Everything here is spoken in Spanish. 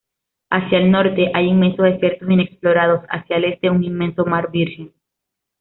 Hacia el norte, hay inmensos desiertos inexplorados, hacia el este un inmenso mar virgen.